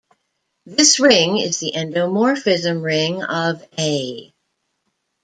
This ring is the endomorphism ring of "A".